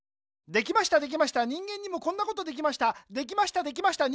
できましたできました人間にもこんなことできました。